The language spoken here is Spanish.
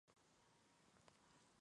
Hiroki Hasegawa